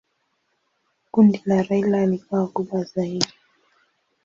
Kundi la Raila likawa kubwa zaidi.